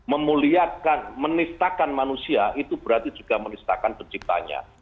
memuliakan menistakan manusia itu berarti juga menistakan penciptanya